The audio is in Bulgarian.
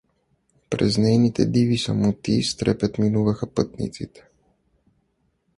През нейните диви самотии с трепет минуваха пътниците.